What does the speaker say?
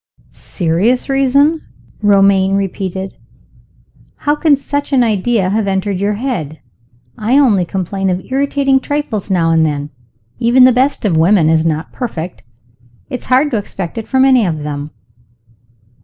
"Serious reason?" Romayne repeated. "How can such an idea have entered your head? I only complain of irritating trifles now and then. Even the best of women is not perfect. It's hard to expect it from any of them."